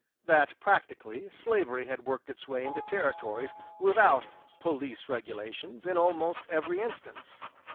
That, practically, slavery had worked its way into Territories without "police regulations" in almost every instance; 2.